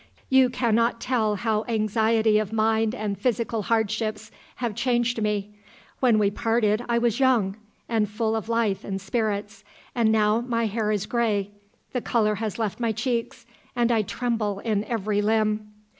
"You cannot tell how anxiety of mind and physical hardships have changed me. When we parted I was young, and full of life and spirits, and now my hair is grey, the colour has left my cheeks, and I tremble in every limb!"